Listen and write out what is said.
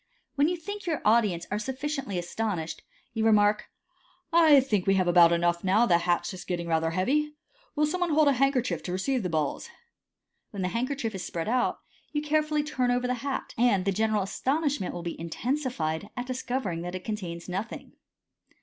When you think your audience are sufficiently astonished, you remark, " 1 think we have about enough now } the hat is getting rather heavy. Will some one hold a handkerchief to receive the balls 5 " When the handkerchief is spread out, you carefully turn over the hat, and the general astonishment will be intensified at discovering that it contains nothing.